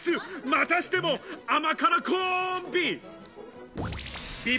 またしても甘辛コンビ。